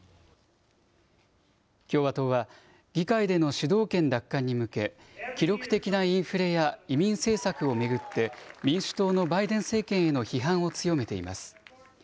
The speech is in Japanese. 共和党は議会での主導権奪還に向け、記録的なインフレや移民政策を巡って、民主党のバイデン政権への批判を強めています。